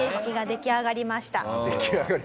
「出来上がりました」。